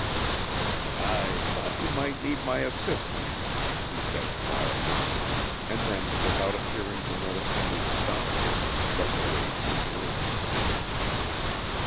"I thought you might need my assistance," he said quietly; and then without appearing to notice Henley's astonishment, led the way to his room.